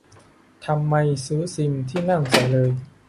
ทำไมซื้อซิมที่นั่นใส่เลย